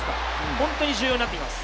本当に重要になってきます。